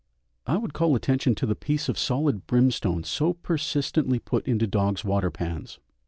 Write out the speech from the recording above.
I would call attention to the piece of solid brimstone so persistently put into dogs' water pans.